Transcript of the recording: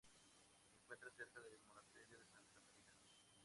Se encuentra cerca del Monasterio de Santa Catalina.